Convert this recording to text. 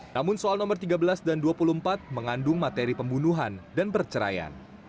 namun soal nomor tiga belas dan dua puluh empat mengandung materi pembunuhan dan perceraian